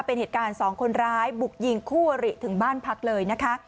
เป็นเหตุการณ์สองคนร้ายบุกยิงคู่อริถึงบ้านพักเลยนะคะ